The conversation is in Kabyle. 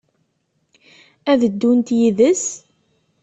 Ad ddunt yid-s?